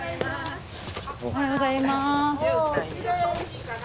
おはようございます。